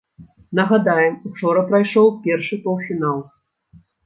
Нагадаем, учора прайшоў першы паўфінал.